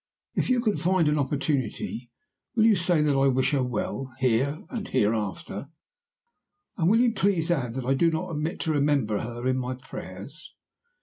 If you can find an opportunity, will you say that I wish her well, here and hereafter? and will you please add that I do not omit to remember her in my prayers?